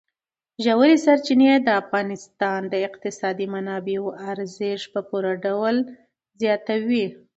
ژورې سرچینې د افغانستان د اقتصادي منابعو ارزښت په پوره ډول زیاتوي.